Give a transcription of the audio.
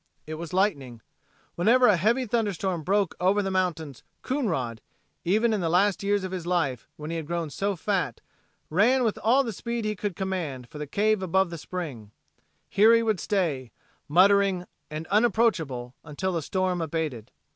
It was lightning. Whenever a heavy thunder storm broke over the mountains Coonrod, even in the last years of his life when he had grown so fat, ran with all the speed he could command for the cave above the spring, Here he would stay, muttering and unapproachable, until the storm abated.